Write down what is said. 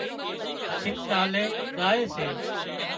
سمنالي زائي سي